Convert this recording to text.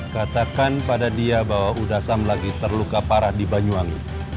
katakan pada dia bahwa udasam lagi terluka parah di banyuwangi